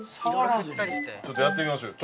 ちょっとやってみましょうよ。